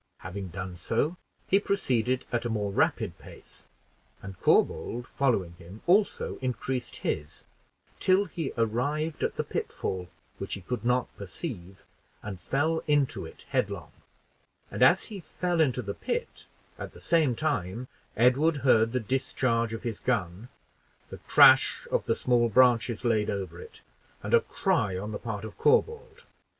Having done so, he proceeded at a more rapid pace; and Corbould, following him, also increased his, till he arrived at the pitfall, which he could not perceive, and fell into it headlong; and as he fell into the pit, at the same time Edward heard the discharge of his gun, the crash of the small branches laid over it, and a cry on the part of Corbould.